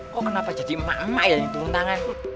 kok kenapa jadi mama yang dituntangkan